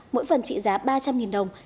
mỗi phần trị giá ba trăm linh đồng